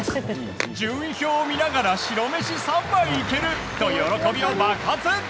順位表を見ながら白米３倍いけると喜びを爆発！